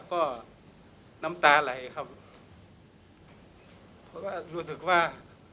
แล้วก็น้ำตาไหลครับเพราะว่ารู้สึกว่า